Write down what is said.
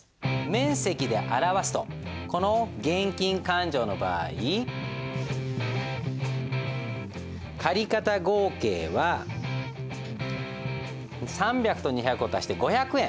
面積で表すとこの現金勘定の場合借方合計は３００と２００を足して５００円。